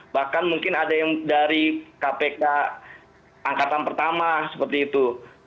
bahkan mungkin ada yang dari kpk angkatan pertama seperti itu